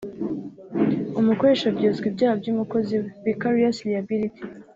umukoresha aryozwa ibyaha by’umukozi we ( vicarious liability)